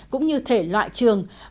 cũng như thể loại trường